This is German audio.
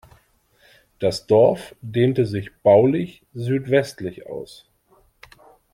Das Dorf dehnte sich baulich südwestlich aus.